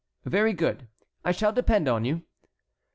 "Very good. I shall depend on you."